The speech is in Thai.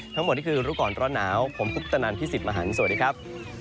ทั้งหมดนี่คือรุกรรณ์ร้อนหนาวผมพุทธนันที่๑๐มหานสวัสดีครับ